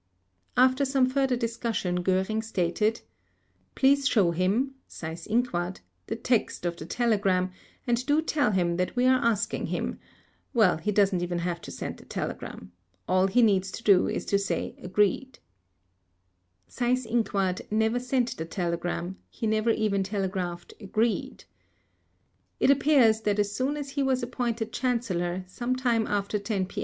After some further discussion, Göring stated: "Please show him (Seyss Inquart) the text of the telegram and do tell him that we are asking him—well, he doesn't even have to send the telegram. All he needs to do is to say 'Agreed'." Seyss Inquart never sent the telegram; he never even telegraphed "Agreed". It appears that as soon as he was appointed Chancellor, some time after 10 p.